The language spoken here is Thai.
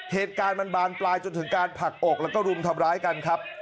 เหตุการณ์มันบานปลายจนถึงการผลักอกแล้วก็รุมทำร้ายกันครับ